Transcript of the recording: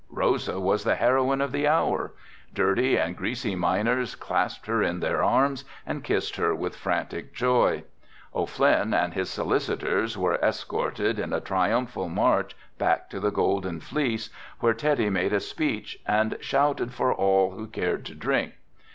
Rosa was the heroine of the hour. Dirty and greasy miners clasped her in their arms and kissed her with frantic joy. O'Flynn and his solicitors were escorted in a triumphal march back to the Golden Fleece where Teddy made a speech and 'shouted' for all who cared to drink.